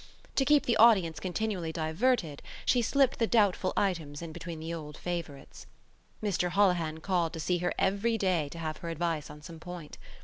To keep the audience continually diverted she slipped the doubtful items in between the old favourites. Mr Holohan called to see her every day to have her advice on some point.